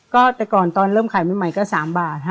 ก็แต่ก่อนตอนเริ่มขายใหม่ก็๓บาทค่ะ